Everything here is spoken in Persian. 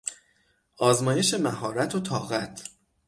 آزمایش مهارت و طاقت